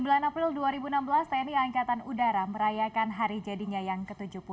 sembilan april dua ribu enam belas tni angkatan udara merayakan hari jadinya yang ke tujuh puluh enam